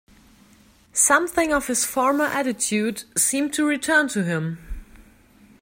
Something of his former attitude seemed to return to him.